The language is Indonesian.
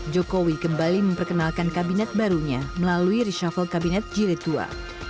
jokowi kembali memperkenalkan kabinet barunya melalui reshuffle kabinet jiletua